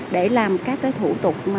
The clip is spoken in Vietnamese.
để làm các cái thủ tục